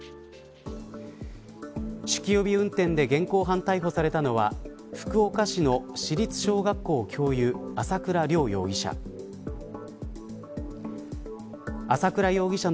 酒気帯び運転で現行犯逮捕されたのは福岡市の市立小学校教諭朝倉亮容疑者。